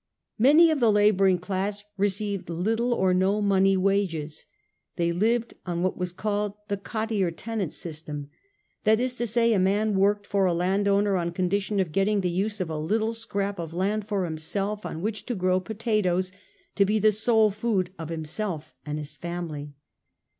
Many of the labouring class received little or no money wages. They lived on what was called the ' cottier tenant system' ; that is to say, a man worked for a landowner on condition of getting the use of a little scrap of land for himself, on which to grow potatoes to be the sole food of himself and his family.